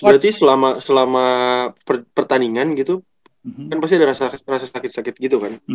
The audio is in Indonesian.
berarti selama pertandingan gitu kan pasti ada rasa sakit sakit gitu kan